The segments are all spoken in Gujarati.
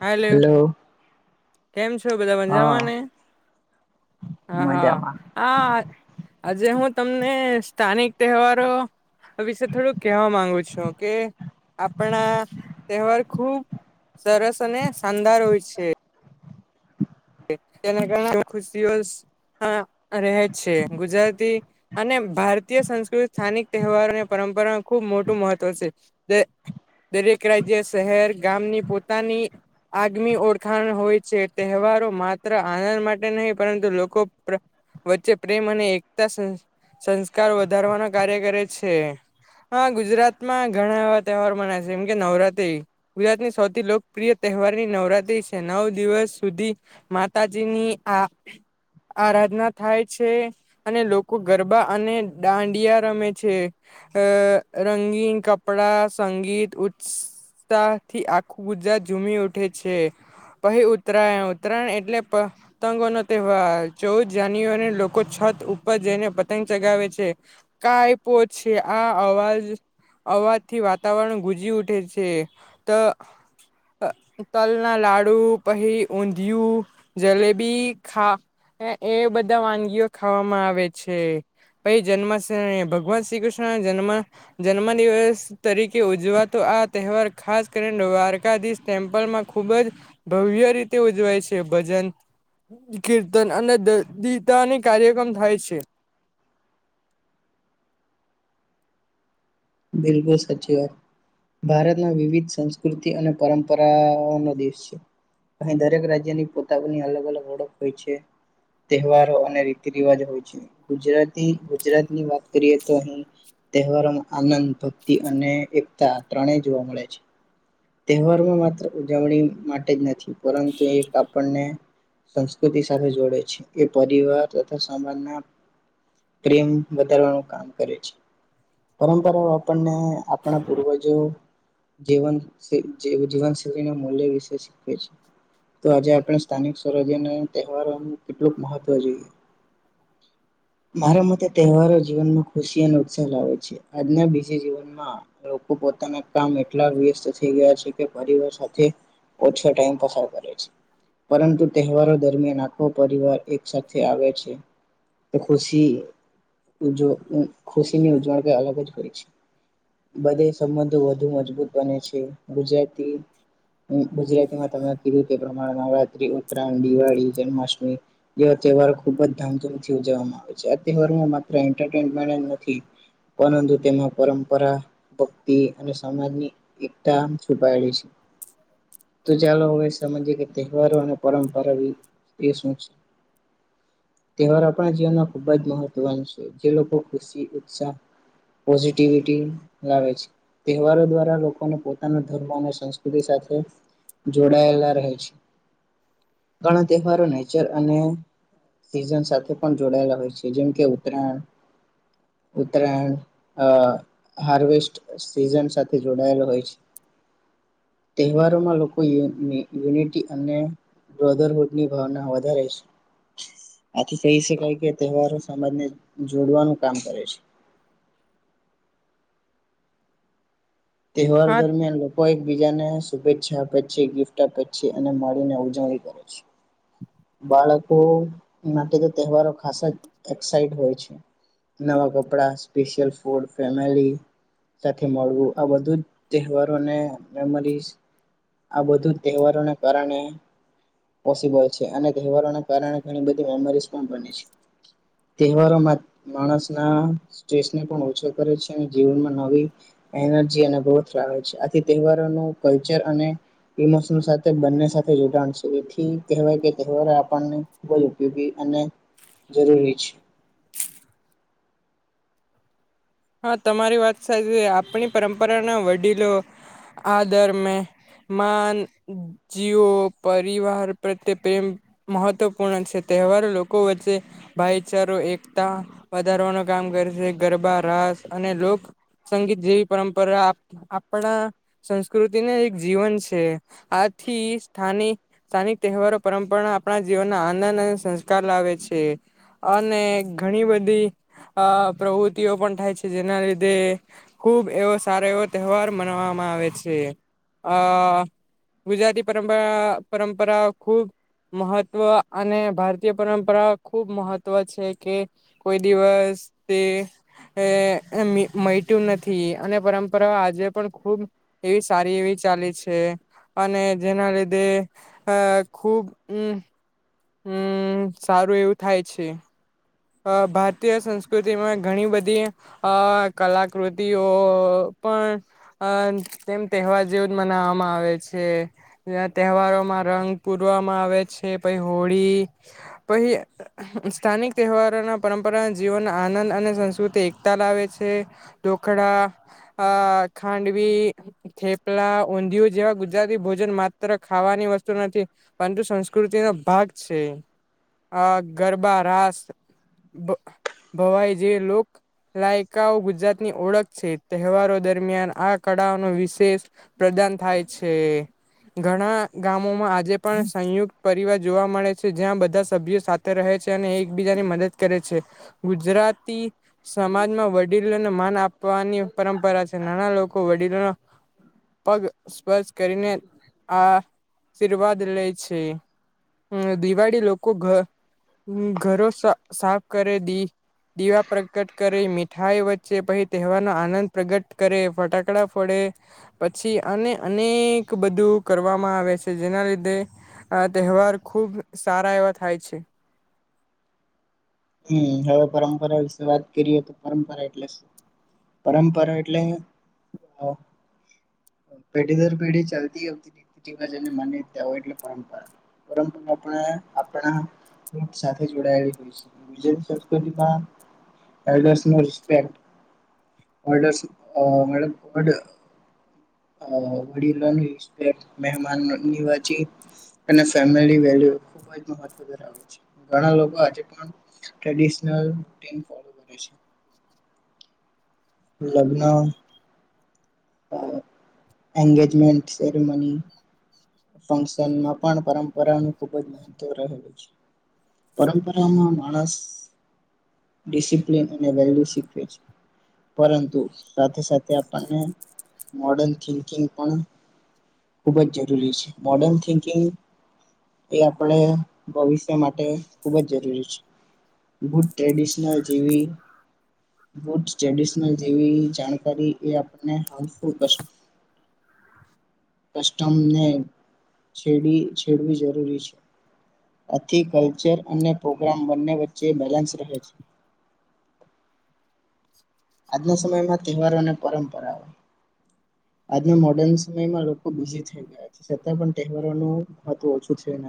હા હલો કેમ છો બધા હા બજવાને હ હા મજામાં હ આજે હું તમને. સ્થાનિક તહેવારો વિશે થોડુંક કહેવા માંગુ છો કે આપણા તહેવાર ખુબ સરસ. શાનદાર હોય છે. ખુશીઓ રહે છે ગુજરાતી અને ભારતીય સંસ્કૃતિ સ્થાનિક તહેવારોની પરંપરાનું ખુબ મોટું મહત્વ છે દરેક રાજ્ય શહેર ગામની પોતાની આગમી ઓળખાણ હોય છે તહેવારો. માત્ર આનંદ માટે નહીં પરંતુ લોકો વચ્ચે પ્રેમ અને એકતા સંસ્કાર વધારવાનો કાર્ય કરે છે આ ગુજરાતમાં ઘણા એવા તહેવાર મના છે જેમ કે નવરાત્રી ગુજરાતની સૌથી લોકપ્રિય તહેવારની નવરાત્રી છે નવ દિવસ સુધી. માતાજીની આ આરાધના થાય છે અને લોકો ગરબા અને દાંડિયા રમે છે અ રંગીન કપડા સંગીત ઉત્સાહ થી આખું ગુજરા ઝૂમી ઉઠે છે પહી ઉતરાય. ત્રણ એટલે પતંગો નો તહેવાર ચૌદ જાન્યુઆરી લોકો છત ઉપર જઈને પતંગ ચગાવે છે કઈછ આ અવાજ અવાજથી વાતાવરણ ગુંજી ઉઠે છે તલના લાડુ પહી ઊ. દીવ જલેબી ખા એ બધા વાનગીઓ ખાવામાં આવે છે પ જન્મ ભગવાન શ્રી કૃષ્ણ ના જન્મ જન્મ દિવસ તરીકે ઉજવાતો આ તહેવાર ખાસ કરીને દ્વારકાધીશ ટેમ્પલમાં ખુબ જ ભવ્ય રીતે. ઉજવાય છે ભજન કીર્તન અને દતાની કાર્યક્રમ થાય છે. બિલલ સાચી વા ભારતમાં વિવિધ સંસ્કૃતિ અને પરંપરાઓ ન દેશ છે અહી દરેક રાજ્યની પોતાની અલગ અલગ ઓળખ હોય છે તહેવારો અને રીતિ રિવાજ હોય છે ગુજરાતી ગુજરાતની વાત કરીએ તો અહી તહેવારોમાં. આનંદ ભક્તિ અને એકતા ત્રણે જોવા મળે છે તહેવારમાં માત્ર ઉજવણી માટે જ નથી પરંતુ એક આપણને સંસ્કૃતિ સાથે જોડે છે એ પરિવાર તથા સમાજના પ્રેમ વધારવાનું કામ કરે છે. પરંપરાઓ આપણ આપણા પૂર્વજો જવન જીવન શૈલીના મૂલ્ય વિશે શીખવે છે તો આજે આપણે સ્થાનિક સ્વરાજ્યના તહેવારોનું કેટલુંક મહત્વ જોઈએ મારા મતે તહેવારો જીવનમાં ખુશી અને ઉત્સાહ લાવે છે. આજના બીજ જીવનમાં લોકો પોતાના કામ એટલા વ્યસ્ત થઈ ગયા છે કે પરિવાર સાથે ઓછા ટાઈમ પસાર કરે છે પરંતુ તહેવારો દરમિયાન આખો પરિવાર એક સાથે આવે છે ખુશી ખુશીની ઉજવ. બધ સંબંધો વધુ મજબૂત બને છે ગુજરાતી ગુજરાતીમાં તમે કીધું તે પ્રમાણે નવરાત્રી ઉત્તરાયણ દિવાળી જન્માષ્ટમી એવા તહેવારો ખુબ જ ધામધૂથી ઉજવવામાં આવે છે આ તહેવામાં માત્ર. પરંતુ તેમાં પરંપરા ભક્તિ અને સમાજની એકતા છુપાયેલી છે. તું ચાલો ઓવેસજ કે. તહેવારો અને પરંપરા શું છે તહેવાર આપણા જીવનમાં ખુબ જ મહત્વનો છે જે લોકો ખુશી ઉત્સાહ. પોઝિટિવિટી લાવે છે તહેવારો દ્વારા લોકોને પોતાનો ધર્મ અને સંસ્કૃતિ સાથે જોડાયેલા રહે છે ઘણા તહેવારો નેચર અને સઝન સાથે પણ જોડાયેલા હોય છે જેમકે ઉત્તરાયણ. [inaudible] હાર્વેસ્ટ સીઝન સાથે જોડાયેલો હોય છે. તહેવારોમાં લોકો યુનિટી અને બ્રધરહુડની ભાવના વધારે છે આથી કહી શકાય કે તહેવારો સમાજને જોડવાનું કામ કરે છે. તહેવાર હા દરમિયાન લોકો એકબીજાને. શુભેચછા આપે છે ગિફ્ટ આપે છે ઉજવણી કરે છે બાળકો માટે તહેવારો ખાસ હોય છે નવા કપડાડ. આ બધું જ તહેવારોને મેમરીઝ. આ બધું તહેવારોના કારણે પોસિબલ છે અને તહેવારોના કારણે ઘણી બધી મેમરીઝ પણ બને છે તહેવારોમાં માણસના સ્ટ્રેસને પણ ઓછો કરે છે અને જીવનમાં નવી એનર્જી અને ગ્રોથ છે આથી તહેવારોનું કલ્ચર અને ઈમોશનો સાથે બંને સાથે [unintelligible] છે એથી કહેવાય કે તહેવારો આપણને ખૂબ જ ઉપયોગી અને જરૂરી છે. હા તમારી વાત સાજી છે આપણી પરંપરાના વડીલો આદર મેં મા જીવો પરિવાર પ્રત્યે પ્રેમ મહત્વપૂર્ણ છે તહેવાર લોકો વચ્ચે ભાઈચારો એકતા વધારવાનું કામ કરે છે ગરબા અને લોક સંગીત જેવી પરંપરા આપણા સંસ્કૃતિને એક જીવન છે આથી સ્થાની સ્થાનિક તહેવારો પરંપરા આપણા જીવનના આનંદ અને સંસ્કાર લાવે છે અને ઘણી બધી અ પ્રવૃતિઓ પણ થાય છે જેના લીધે ખૂબ એવો સારો એવો તહેવાર મનાવામાં આવે છે અ ગુજરાતી પરંપરા પરંપરા ખૂબ મહત્વ અને ભારતીય પરંપરા ખૂબ મહત્વ છે કે કોઈ દિવસ તે એ અમી મટ્યું નથી અને પરંપરા આજે પણ ખૂબ એવી સારી એવી ચાલી છે અને જેના લીધે અ ખૂબ મ હમ સારું એવું થાય છે અ ભારતીય સંસ્કૃતિમાં ઘણી બધી અ કલાકૃતિઓ પણ અ તેમ તહેવાર જેવું જ મનાવામાં આવે છે તહેવારોમાં રંગ પૂરવામાં આવે છે પાહિ હોળી પછી સ્થાનિક તહેવારોના પરંપરાના જીવન આનંદ અને સંસ્કૃતિ એકતા લાવે છે ડોખડા આ ખાંડવી થેપલા ઊંધિયું જેવા ગુજરાતી ભોજન માત્ર ખાવાની વસ્તુ નથી પરંતુ સંસ્કૃતિ નો ભાગ છે અ ગરબા રાસ બ ભવાઈ જે લોક લાયકાઓ ગુજરાતની ઓળખ છે તહેવારો દરમિયાન આ કળા નો વિશેષ પ્રદાન થાય છે ઘણા ગામોમાં આજે પણ સંયુક્ત પરિવાર જોવા મળે છે જ્યાં બધા સભ્યો સાથે રહે છે અને એકબીજાની મદદ કરે છે ગુજરાતી સમાજમાં વડીલોને માન આપવાની પરંપરા છે નાના લોકો વડીલોનો પગ સ્પર્શ કરીને આ આશીર્વાદ લે છે દિવાળી લોકો ધ ઘરો સાફ કરે દી દીવા પ્રકટ કરે મીઠાઈ વચ્ચે પછી તહેવારનો આનંદ પ્રગટ કરે ફટાકડા ફોડે પછી અને અનેક બધું કરવામાં આવે છે જેના લીધે આ તહેવાર ખુબ સારા એવા થાય છે. ઈ હવે પરંપરા વિશે વાત કરીએ તો પરંપરા એટલે શું પરંપરા એટલે અ પેઢી દર પેઢી ચાલતી આવતીજ માન્યતા હોય એટલે પરંપરા પરંપરા આપણા આપણા સાથે જોડાયેલી હોય સે. [unintelligible] એલ્ડર ની રિસ્પેક્ટ [unintelligible] અ વડીલો ની રિસ્પેક્ટ મેહમાન નિવાજી અને ફૅમિલી વેલુ [unintelligible] ઘણા લોકો આજ પણ ટ્રેડિશનલ ટીન વિશે લગ્ન એનગેજમેન્ટ સેરેમની ફંક્શન મા પણ પરંપરાનું ખુબ જ મહત્વ રહેલું છે પરંપરામાં માણસ ડિસિપ્લિન અને વેલ્યુ શીખ છે પરંતુ સાથે આપણ મોડ પણ ખુબ જ [unintelligible] છે મોર્ડન થિંકિંગ એ આપણે ભવિષ્ય માટે ખૂબ જ જરૂરી છે ગુડ ટ્રેડિશનલ જેવી ગુડ ટ્રેડિશનલ જેવી જાણકારી એ આપને હાર્મફુલ કશે. કસ્ટસ્ટમને છેડી છેડવી જરૂરી છે. આથી કલ્ચર અને પ્રોગ્રામ બંને વચ્ચે બેલેન્સ રહે છે. આજના સમયમાં તહેવારો અને પરંપરાઓ આજના મોડર્ન સમયમાં લોકો બિઝ થઈ ગયા છે છતાં પણ તહેવારોનુંવ [unintelligible] ઓછું છે ન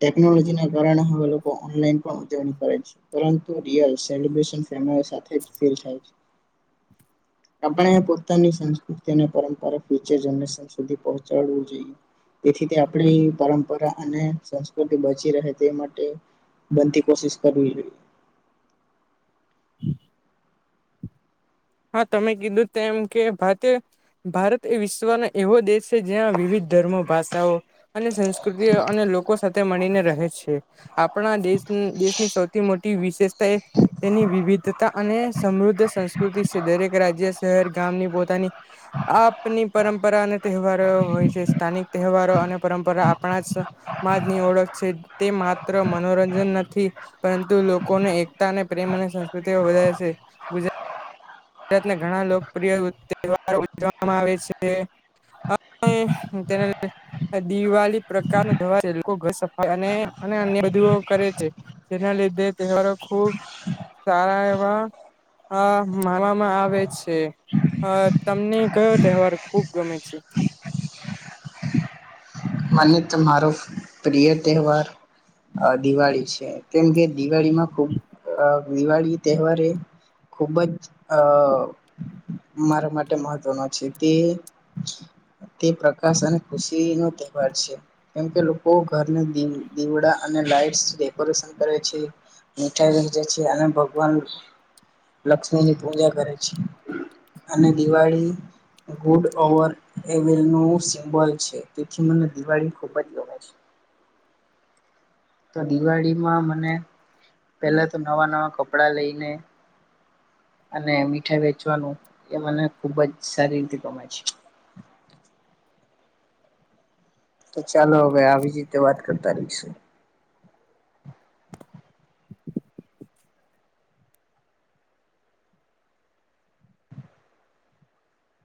ટેકનોલોજી ના કારણે હવે લોકો ઓનલાઈન પણ ઉજવણી કરે છે પરંતુ રિયલ એલિબ્રેશન [unintelligible] સાથે જ ફેલ થાય છે. અપણે પો પોની સંસ્કૃતિ અને પરંપરા ફ્યુચર જનરેશન સુધી પહોંચાડવું જોઈએ તેથી તે આપણે પરંપરા અને સંસ્કૃતિ બચી રહે તે માટે બનતી કોશિશ કરવી જોઈએ. [inaudible] હા તમે કીધું તેમ કે ભાતે ભારત એ વિશ્વનો એવો દેશ જ્યાં વિવિધ ધર્મો ભાષાઓ અને સંસ્કૃતિઓ અને લોકો સાથે મળીને રહે છે આપણા દેશ દેશની સૌથી મોટી વિશેષતા એ તેની વિવિધતા અને સમૃદ્ધ સંસ્ કૃતિ છે દરેક રાજ્ય શહેર ગામની પોતાની આપની પરંપરા અને તહેવારો હોય છે સ્થાનિક તહેવારો અને પરંપરા આપણાજ માજ ની ઓળખ છે તે માત્ર મનોરંજન નથી પરંતુ લોકોને એકતા અને પ્રેમ અને સંસ્કૃતિ વધારે છે ગુજ ગુજરાત ઘણા લોકપ્રિય તહેવારો ઉજવામાં આવે છે. [inaudible] તેના દિવાળી પ્રકાર [inaudible] બધુ કરે છે જેના લીધે તહેવારો ખુબ સારા એવા અ માણવામાં આવે છે અ તમને કયો તહેવાર ખુબ ગમે છે. મને તો મારો પ્રિય તહેવાર દિવાળી છે કેમકે દિવાળીમાં ખુબ અ દિવાળી તહેવાર એ ખુબ જ અ મારા માટે મહત્વનો છે તે તે પ્રકાશ અને ખુશીનો તે વાર છે કેમકે લોકો ઘર દી દીવડા અને લાઈટ ડેકોરેશન કરે છે મીઠાઈ [unintelligible] છે અને ભગવાન લક્ષ્મીની પૂજા કરે છે અને દિવાળી ગુડ ઓવર એવિલ નુ સિમ્બોલ છે. પછી મને દિવાળી ખુબ જ ગમે છે. તો દિવાળીમાં મને પેલા તો નવા નવા કપડા લઈને અને મીઠાઈ વેચવાનું એ મને ખૂબ જ સારી રીતે ગમે છે. તો ચાલો હવે આવી જ રીતે વાત કરતા રહીશુ.